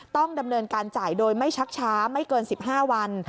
ต้องดำเนินการจ่ายโดยไม่ชักช้าไม่เกิน๑๕วัน